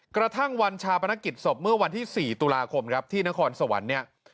กระทั่งวันชาปนกิจศพเมื่อวันที่๔ตุลาคมครับที่นครสวรรค์เนี่ย